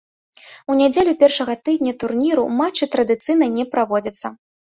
У нядзелю першага тыдня турніру матчы традыцыйна не праводзяцца.